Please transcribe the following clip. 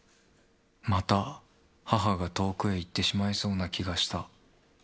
また母が遠くへ行ってしまいそうな気がした。